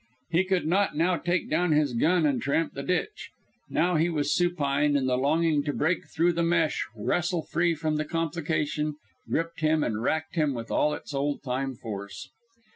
He could not now take down his gun and tramp the ditch. Now he was supine, and the longing to break through the mesh, wrestle free from the complication, gripped him and racked him with all its old time force.